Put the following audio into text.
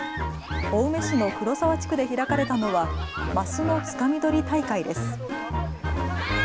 青梅市の黒沢地区で開かれたのはマスのつかみ取り大会です。